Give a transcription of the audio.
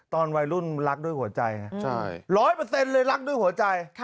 ตอนวัยรุ่นรักด้วยหัวใจร้อยเปอร์เซ็นต์เลยรักด้วยหัวใจ